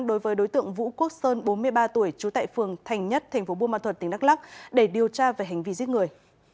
đối với đối tượng vũ quốc sơn bốn mươi ba tuổi trú tại phường thành nhất tp buôn ma thuật tỉnh đắk lắc để điều tra về hành vi giết người